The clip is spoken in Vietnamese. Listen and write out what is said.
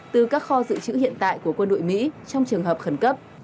từ các kho dự trữ hiện tại của quân đội mỹ trong trường hợp khẩn cấp